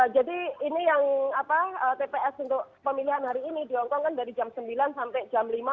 jadi ini yang apa tps untuk pemilihan hari ini di hongkong kan dari jam sembilan sampai jam lima